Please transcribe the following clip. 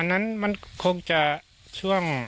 อ๋ออันนั้นมันคงจะช่วง